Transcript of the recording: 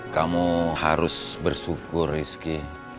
kamu harus bersyukur rizky